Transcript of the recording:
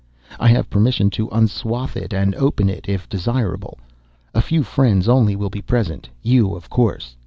I have permission to unswathe it and open it, if desirable. A few friends only will be present—you, of course.